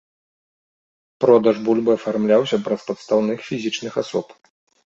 Продаж бульбы афармляўся праз падстаўных фізічных асоб.